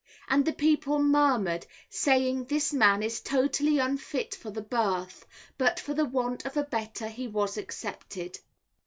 And the people murmured, saying, this man is totally unfit for the berth, but for the want of a better he was accepted.